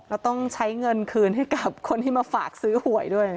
แล้วต้องใช้เงินคืนให้กับคนที่มาฝากซื้อหวยด้วย